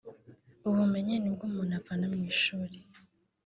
ubumenyi ni ubwo umuntu avana mu ishuri